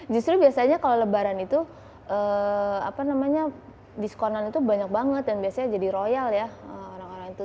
justru biasanya kalau lebaran itu apa namanya diskonan itu banyak banget dan biasanya jadi royal ya orang orang itu